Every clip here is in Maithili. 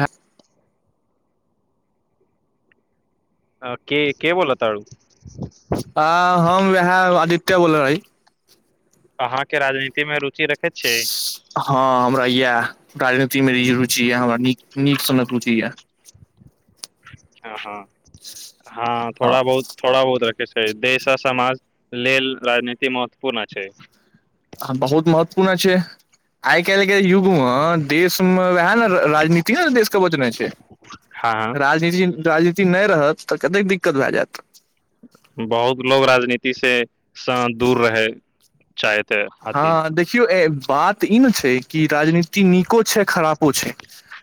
बाह के के बोल तारू आदित्या बोल‌ हइ अहाँके राजनीति मे रुचि रखैत छियै हँ राजनीतिमे रुचि यऽ हमरा न नीक सनक रुचि यऽ हँ हँ हँ थोड़ा बहुत थोड़ा बहुत रखे छी देश आ समाज लेल राजनीति महत्वपूर्ण अछि बहुत महत्वपूर्ण अछि आइ काल्हि के युग मऽ देश मे वएह ने राजनीतिये न देशके बचने छै हँ हँ राजनीति राजनी नहि रहत तऽ कतेक दिक्कत भए जायत बहुत लोक राजनीतिसँ सँ दूर रहय हँ देखियौ एय बात ई ने छै कि राजनीति नीको छै खरापो छै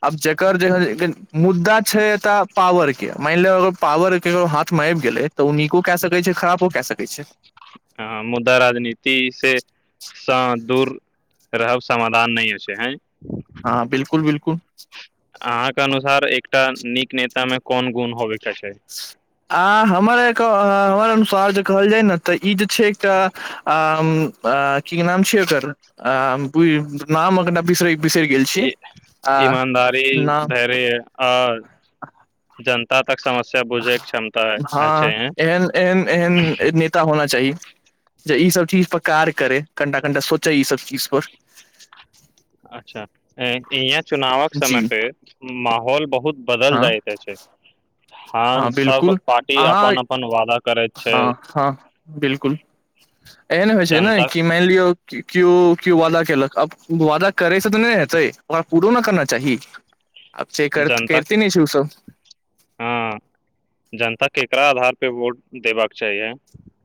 आब जकर जे मुद्दा छै एतय पावरके मानि लिय अगर पावर केकरो हाथमे आबि गेलै तऽ ओ नीको कए सकैत छै खरापो कए सकैत छै हँ मुदा राजनीति से सँ दूर रहब समा हँ बिल्कुल [unintelligible] अहाँके अनुसार एकटा नीक नेता मे कोन गुण होयबे चाहै छै आ हमर एकर हमर अनुसार जे कहल जाय न ते ई जे छै एकटा कि नाम छियै एकर नाम कनीटा बिसरे ईमानदारी नाम धैर्य और जनता तक समस्या बुझै के क्षमता अछि हँ हैं एहन एहन एहन नेता होना चाही जे ईसभ चीजपर कार करै कनिटा कनिटा सोचै ईसभ चीजपर अच्छा इहें चुनावक जी समयपे माहौल बहुत बदल हँ जाइत अछि हँ सब बिल्कुल पार्टी अहाँ अपन अपन वादाक हँ हँ बिलकुल एहन होइ छै ने जनता कि मानि लियअ किओ किओ वादा केलक आब वादा करैसँ तऽ नहि हेतै ओकरा पूरो न करना चाही आब से कर जनताक करते नहि छै उ सब एकरा आधारपे वोट देबाक चाहीए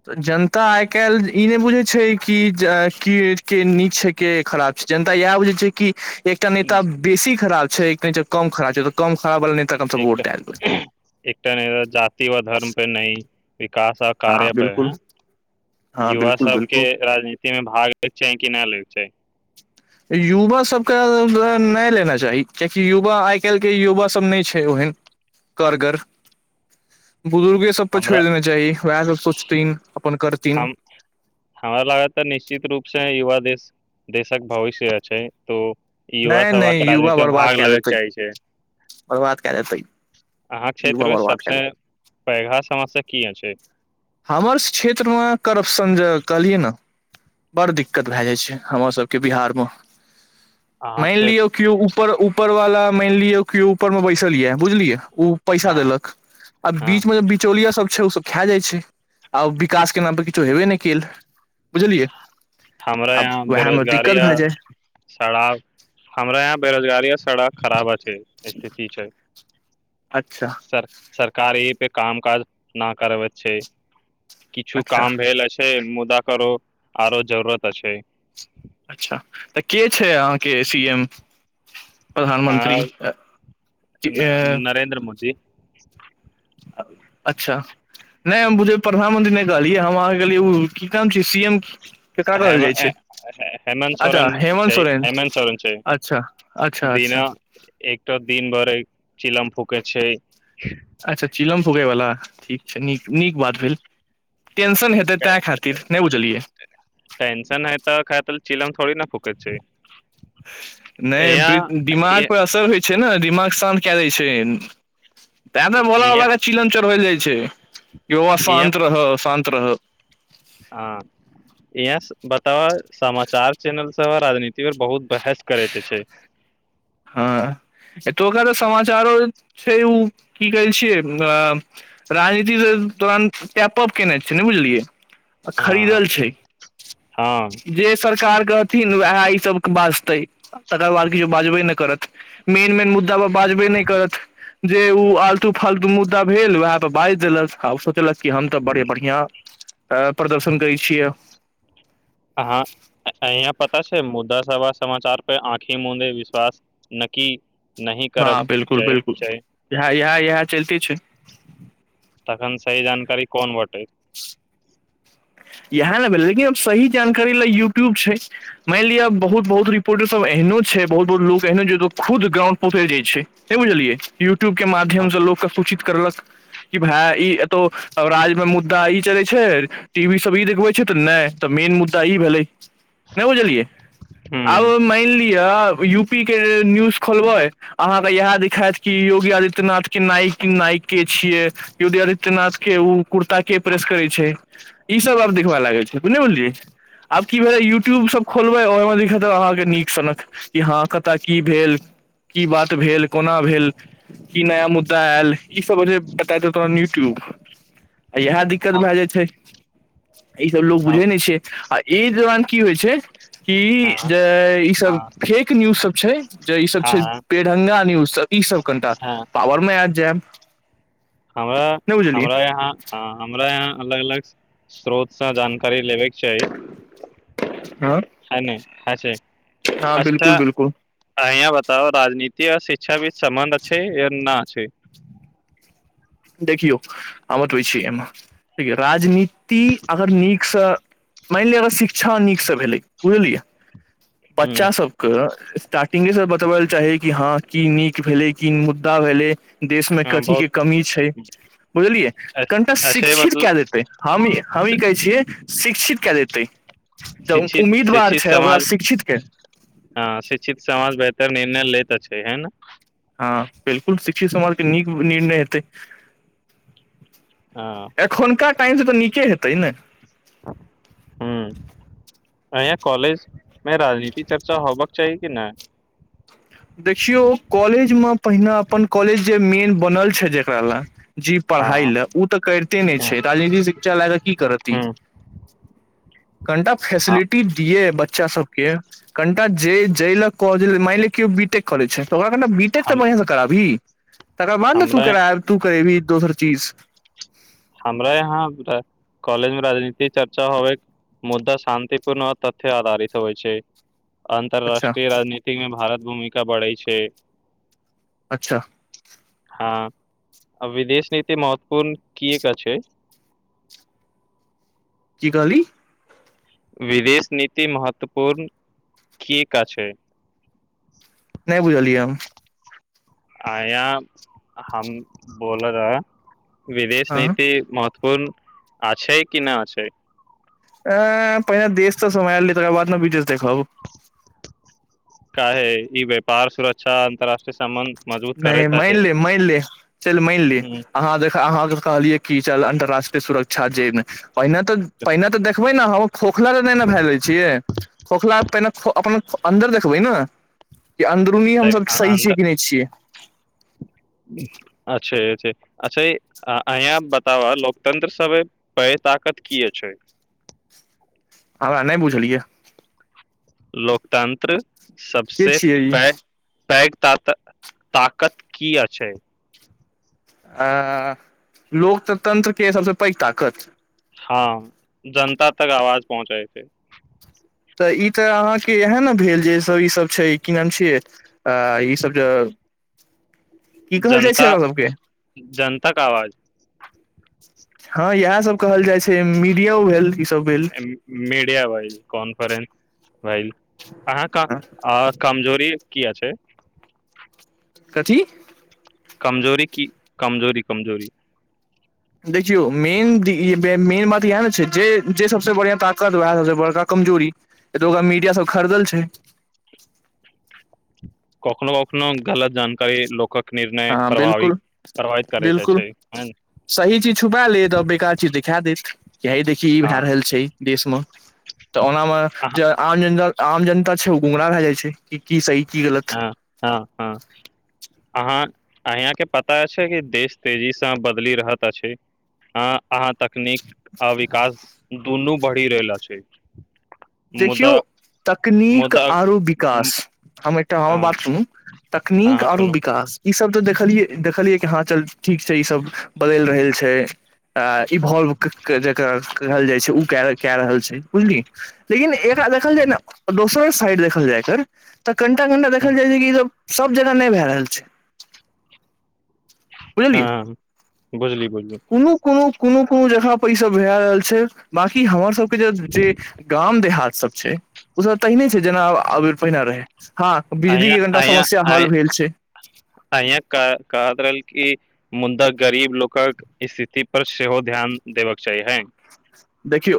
तऽ जनता आइ काल्हि ई नहि बुझै छै कि की के नीक छै के खराब छै जनता इएह बुझै छै कि एकटा नेता बेसी खराब छै कहै छै कम खरा छै तऽ कम खराब वाला नेता के हमसभ वोट एकटा दए देबै एकटा नहि जाति व धर्म पे नहि विकास आ हँ कार्य पर बिल्कुल हें हँ युवा बिल्कुल सब बिल्कुल के राजनीति में भाग लेबाक चाही कि नहि ले [inaudible] युवा सभकेँ नहि लेना चाही कियकि युवा आइ काल्हिके युवासभ नहि छै ओहन करगर बुजुर्गे सब पर हमरा छोड़ देना चाही वएह सब सोचथिन अपन कर हमरा लागत तऽ निश्चित रूप से नहि युवा देश देशक भविष्य अछि तो युवा नहि सभा नहि के युवा राजनीति मे बर्बाद भाग कऽ लेबेके देतेै चाही छै बर्बाद कऽ देतै अहाँ युवा क्षेत्रमे बर्बाद कए देतै सबसे पैघाऽ समस्या की अछि हमर क्षेत्रमे करप्शन जे कहलियै नऽ बड़ दिक्कत भए जाइ छै हमर सभके बिहार मऽ अहाँक मानि क्षेत्र लियौ कियो उप ऊपर ऊपर वाला मानि लिय कियो ऊपर मे बैसल या बुझलिये ओ पैसा हँ देलक आ हँ बीच में जे बिचौलिया सब छै ओ सब खा जाइ छै आ विकासके नामपर किछो हेबे नहि कयेल बुझलियै हमरा यहाँ मे बेरोजगारी दिक्कत आ भए जाय सड़क हमरा यहाँ बेरोजगारी आ सड़क खराब अछि स्थिति छै अच्छा सर सरकार एहि पे काम काज न करबैत छै किछु अच्छा काम भेल अछि मुदा केकरो आरो जरूरत अछि अच्छा तऽ के छै अहाँके सीएम आ नरेन्द्र मोदी [unintelligible] अच्छा नहि हम बुझपरै प्रधानमंत्री नहि कहलियै हम अहाँ कहलियै उ की नाम छै सीएम हेमऽ हेमऽ हेमंत अच्छा सोरेन हेमन्त छै सोरेन हेमंत सोरेन छै अच्छा अच्छा बिना अच्छा एकठो दिनभर चिलम फूक फूकै छै अच्छा चिलम फूगे वाला ठीक छैय नीक नीक बात भेल टेंशन है त ते खातिर नै बुझालिय टेंशन है तऽ खातल चिलम थोड़ी ना नै यहाँ दिमाग पर असर होए छैय ने दिमाग शांत के दैय छैयन बे ते भोला बाबा के चिलम चढ़बैल जाय जे हे रउआ शांत रहा शांत रहा अ बताबा समाचार चैनल सब राजनीति पर बहुत बहस करैत छै हा तोका त समाचारो छै उ की कहैय छियै अ राजनीति से तोरण टैप-अप कैने छैय नै बुझलियए खरीदल हँ छैय हँ जे सरकार कथिन वेहे इ सब बजतैय आधा बाल्टी ते बाजबे नै करत मेन मेन मुद्दा पर बाजबे नै करत जे उ आलतु फालतू मुद्दा भेल वोहे बाइज देलस हम त बरी बढ़िया प्रदर्शन दय छिय अहाँ पता छैय मुद्दा सब समाचार पे आँखी मूंदे बिस्वास नक्की हा बिल्कुल बिल्कुल यहे चैलते छैय त सही जानकारी कौन बाटतैय इहे ने भेलैय की अब सही जानकारी ल यूट्यूब छैय मायन लियो बहुत बहुत रिपोटर सब एहनो छैय बहुत बहुत लोग एहनो जे खुद गांव नै बुझालिय यूट्यूब के माध्यम से लोग के कुछ इ भाय इ तो अब राज्य मे मुद्दा इ चलैय छैय इ बीसबीद जे हुऐ छैय त नै त मेन मुद्दा इ भेलय नै बुझालिय ह अ मायन लियय यू पी के न्यूज खोलबै अहाँके इएह दिखायत कि योगी आदित्यनाथ के नइ नाइ के छियै योगी आदित्यनाथ के उ कुता के प्रेस करैय छैय आब देख लाग छै बुझझलियै आब की भेलै यूट्यूब सब खोलबै ओहिमे देख अहाँके नीक सनक कि हँ कतय की भेल की बात भेल कोना भेल की नया मुद्दा आयल ई सब भेलै बता त थोड़ा न्यूज क्यूब आ इएह दिक्कत भए जाइत छै ई सब लोकोग ह बुझै ने छै अ, इ, जवान की होय छैय हँ इ द इ इससे हँ फेंक न्यूज जैत जेब जैत हँ बेढंगा न्यूज बस इ सब‌ कंटाक हँ पावर में आयल जेब हमरा, हमरा, यहां, आ, हमरा यहां अलग अलग स्रोत, सँ जानकारी लेवेक छैय हँ हनैय अछै, हँ हँसत बिल्कुल बिल्कुल ऐनैयह बेताब राजनीति शिक्षा सामान आ छै य नहि आ छै देखियौ हमतबै छी एहिमेिय राजनीति अगर नीकसँ मानि लिअ अगर शिक्षा नीकसँ भेलै बुझलियै हूँ बच्चा सबके ऐ स्टार्टिंग से स्तब्ध चाहि की हां की नीक भेलै की मुद्दा भेलै देश में हँ कथी बहुत के कमी बलिय कनि अच्छे अच्छे। शिक्षै मतलब हमी शि- कहै छियै शिक्षितै शिक्षित उम्मीदवार शिक्षित छै ओकरा समाज शिक्षित के हँ शिक्षित समाज बेहतर निर्णय ले तऽ छै है ने हँ बिलकुल शिक्षित समाजके नीक निर्णय हेतै हँ एखन कार टाइम से तऽ नचे हेतै तै ने ह अाँ कॉलेज मे राजनीति चर्चा हो बक चाही कि नहि देखियो कॉलेज मे पहिने अपन कॉलेज मेन बनल जेकरा ल जी पढ़ाइ हँ ल ओ तऽ करिते नहि छैनी शिक्षा लए क की कर हूँ कनिटा हँ फेसिलिटी दिये है बच्चा सब के के कणटाा ज जै लक क मइल केओ बि टेक कर छै त ओकरा मीट तऽ बढ़ं से कराबी तकर बाद ने तू हमरा कर तू करेबी दोसर चीज हमरा यहाँ कॉलेज मे राजनीतििक चर्चा होब मुद्दा शान्तिपूर्ण तथ्य आधारित होइ छै अच्छा अन्तर्राष्ट्रीय राजनीति मे भारत भूमिका बढ़ै छै अच्छा अब विदेश नीति महत्वपूर्ण किएक छै की कहलीं विदेश नीति महत्वपूर्ण कि एका छै नहि बुझलियै हम अंया हम बोल रहेै विदेश हँ नीति महत्व- फोन आ छै कि ना छै अं पहिने देश त समय आएल रहै तकर बाद ने विदेश देखब काहे ई व्यापार सुरक्षा अंतर्राष्ट्रीय नै मनि ले मनि ले चल मनि ले अहाँ देखलिए अहाँ कहलिए ई छलाह अंतर्राष्ट्र के सुरक्षा जै मे पहिने त पहिंने त देखबै ने हम खोखला त नहि नै भए गेल छियै खोखला पहिने अपन अन्दर देखबै न अंदरूनी हम सभ सही छियै की नै छियै अच्छै छै अच्छा अंया बताब लोकतंत्र सभे पैघ तागत किया छै हमरा नै बुझल या लोकतंत्र के सबसे छियै ई पैघ पैघ तात- तागत किया छै अ- अ-अ लोकतंत्र के सबसे पैघ तागत हाँ जनता तक आवाज पहुँचैतयै ई त अहाँ के ईहाए न भेल जे सभ ई सब छै की नाम छियै आ-हा ई सभ जे [inaudible] की कहल जाइ जनता छै ओकरा सबके जनताक आवाज हाँ ईहाए सभ कहल जाइ छै मीडियो भेल ई सब भेल मी-मीडिया भईल कॉन्फ्रेंस भईल अहाँ क कमजोरी किया छै कथी कमजोरी की कमजोरी कमजोरी देखियौ मेन ई मेन बात ईहाए न छै जे जे सबसे बढ़ियाँ तागत बड़का कमजोरी एतौका मीडिया सब खरदल छैय कखनो कखनो गलत जानकारी लोकक निर्णय हाँ प्रभावित बिल्कुल प्रभावित करैत बिल्कुल अछि सही चीज छुपाय लैत आ बेकार चीज देखादेत ऐं देखहीं इ भैए हँ रहल छैय देश मे ओना मे जे आम जेनरल आम जनता छै ओ गुमराह भ जाय छैय की सही की गलत अं हँ हँ अहाँ अंया के पता छैय की देश तेजी से बदली रहैत अछि आँ अहाँ तकनीक अ विकास दुनु वढ़ी रहैला छैय देखियो त नीक आरो विकास हम एकटा हम हँ बात सुनु तकनीक हँ आरों सुनू विकास ई सब त देखलिय देखलिय कि हाँ चल ठीक छैय इ सब बदैल रहल छैय आ इ भोलव जेकर कहल जाइ छैय उ कै रहल छैय बुझलिहीं एकरा देखल जाय ने दोसर सँ हाइट देखल जाय एकर कनिटा कनिटा देखल जाय ई सभ सब जेना नै भए रहल छैय बुझलिए हँ बुझली बुझली कोनो कोनो कोनो कोनो जगह पर इ सब भय रहल छैय बाकि हमर सब के जे गांव देहात सब छैय उ सब तेहने छैय जेना पहिले रहैय अंया अंया अंया भेल छै अंय कहत कह रहलीं इ मुद्दा गरीब लोगक स्थिति पर सेहो ध्यान देबे के चाही हें देखियो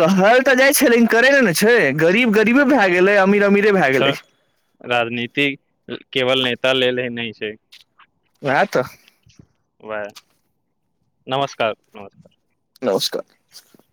कहल त जाय छैय लेकिन करै नै ने छैय गरीब गरीबे भाए गेलैय अमीर अमीरे भए गेलै त राजनीति केवल कह लेले नै छैय वहाए त वाएह नमस्कार नमस्कार नमस्कार नमस्कार